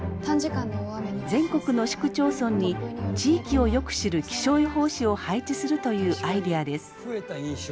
全国の市区町村に地域をよく知る気象予報士を配置するというアイデアです。